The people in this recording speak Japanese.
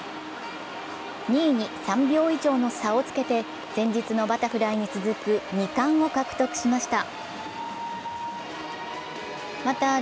２位に３秒以上の差をつけて前日のバタフライに続く２冠を獲得しました。